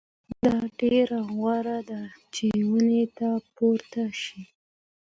دا ډېره غوره ده چې ونې ته پورته شئ.